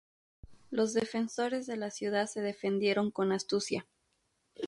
Los defensores de la ciudad se defendieron con astucia.